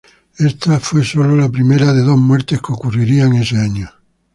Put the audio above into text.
Esta fue solo la primera de dos muertes que ocurrirían ese año.